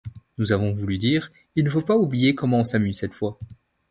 Nous avons voulu dire, 'Il ne faut pas oublier comment on s'amuse cette fois'.